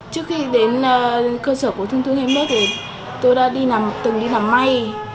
trước khi đến cơ sở của thông tư hai mươi một thì tôi đã đi làm từng đi làm may